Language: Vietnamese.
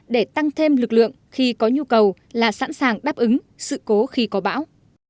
để tăng thêm lực lượng khi có nhu cầu là sẵn sàng đáp ứng sự cố khi có bão